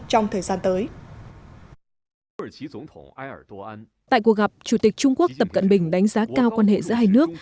trong thời gian tới tại cuộc gặp chủ tịch trung quốc tập cận bình đánh giá cao quan hệ giữa hai nước